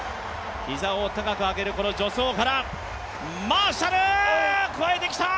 膝を高く上げる助走からマーシャル、超えてきた！